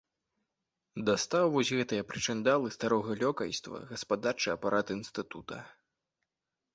Дастаў вось гэтыя прычындалы старога лёкайства гаспадарчы апарат інстытута.